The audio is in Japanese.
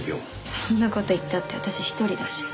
そんな事言ったって私１人だし。